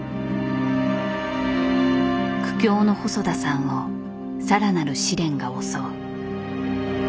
苦境の細田さんを更なる試練が襲う。